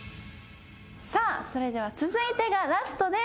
さあそれでは続いてがラストです